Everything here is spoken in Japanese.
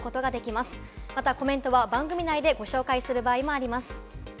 またコメントは番組内でご紹介する場合もあります。